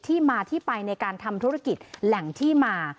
ที่มาที่ไปในการทำธุรกิจแหล่งที่มา